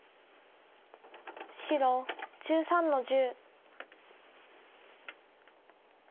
白１３の十。